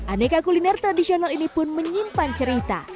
aneka kuliner tradisional ini pun menyimpan cerita